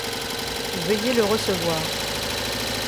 Veuillez le recevoir.